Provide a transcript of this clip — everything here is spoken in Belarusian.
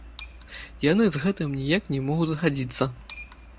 Яны з гэтым ніяк не могуць згадзіцца.